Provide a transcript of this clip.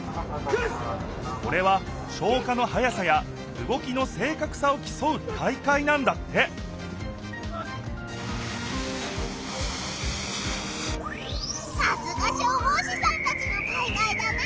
これは消火のはやさやうごきの正かくさをきそう大会なんだってさすが消防士さんたちの大会だな。